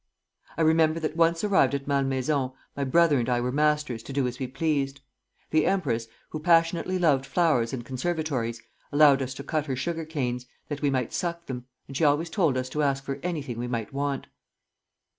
I remember that once arrived at Malmaison, my brother and I were masters to do as we pleased. The empress, who passionately loved flowers and conservatories, allowed us to cut her sugar canes, that we might suck them, and she always told us to ask for anything we might want.